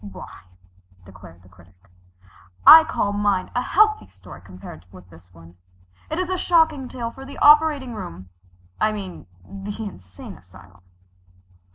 "Why," declared the Critic, "I call mine a healthy story compared with this one. It is a shocking tale for the operating room I mean the insane asylum."